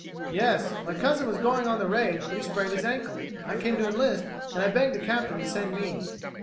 "Yes. My cousin was going on the raid, but he sprained his ankle. I came to enlist, and I begged the Captain to send me."